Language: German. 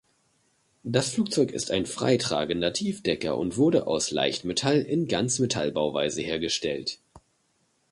Das Flugzeug ist ein freitragender Tiefdecker und wurde aus Leichtmetall in Ganzmetallbauweise hergestellt.